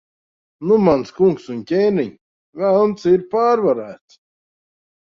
Nu, mans kungs un ķēniņ, Velns ir pārvarēts.